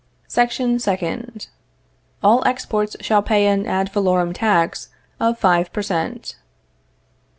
Section Second. All exports shall pay an ad valorem tax of five per cent.